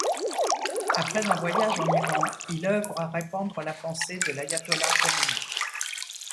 Après un voyage en Iran, il œuvre à répandre la pensée de l'ayatollah Khomeini.